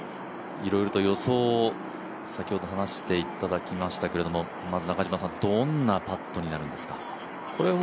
いろいろと予想を先ほど話していただきましたけれども、まず中嶋さん、どんなパットになるんですか？